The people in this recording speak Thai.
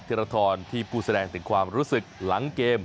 ธรทรที่ผู้แสดงถึงความรู้สึกหลังเกม